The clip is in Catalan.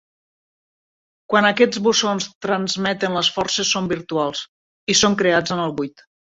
Quan aquests bosons transmeten les forces són virtuals, i són creats en el buit.